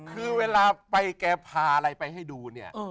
คือเวลาไปแกพาอะไรไปให้ดูเนี่ย